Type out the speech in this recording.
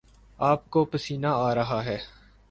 آپ کو پسینہ آرہا ہے